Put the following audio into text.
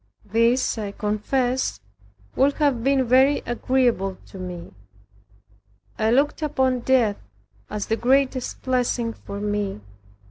This, I confess, would have been very agreeable to me. I looked upon death as the greatest blessing for me.